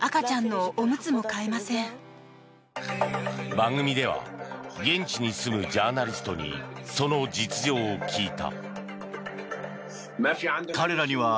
番組では現地に住むジャーナリストにその実情を聞いた。